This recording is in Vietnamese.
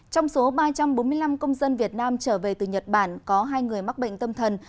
trong số ba trăm bốn mươi năm công dân việt nam trở về từ nhật bản có hai người mắc bệnh tâm thần